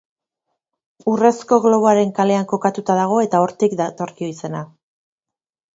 Urrezko Globoaren kalean kokatuta dago eta hortik datorkio izena.